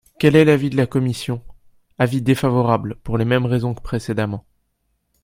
Quel est l’avis de la commission ? Avis défavorable, pour les mêmes raisons que précédemment.